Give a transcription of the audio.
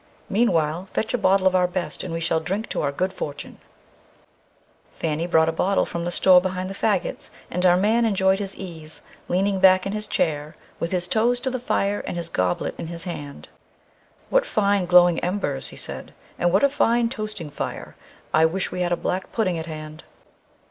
"Meanwhile fetch a bottle of our best, and we shall drink to our good fortune." Fanny brought a bottle from the store behind the faggots, and our man enjoyed his ease, leaning back in his chair with his toes to the fire and his goblet in his hand. [Illustration: "A LONG BLACK PUDDING CAME WINDING AND WRIGGLING TOWARDS HER"] "What fine glowing embers!" he said, "and what a fine toasting fire! I wish we had a black pudding at hand."